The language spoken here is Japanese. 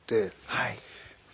はい。